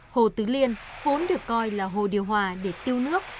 hồ tứ liên vốn được coi là hồ điều hòa để tiêu nước